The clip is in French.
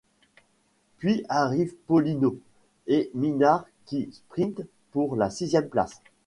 Puis arrivent Paulinho et Minard qui sprintent pour la sixième place.